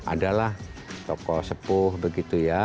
adalah tokoh sepuh begitu ya